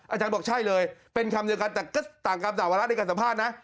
อาจารย์บอกใช่เลยเป็นคำเดียวกันแต่ก็ต่างกรรมต่างวาระในการสัมภาษณ์นะ